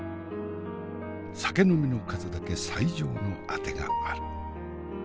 酒呑みの数だけ最上のあてがある。